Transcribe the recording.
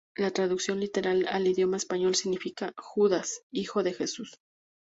La traducción literal al idioma español significa ""Judas, hijo de Jesús"".